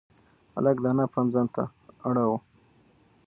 هلک د انا پام ځان ته اړاوه.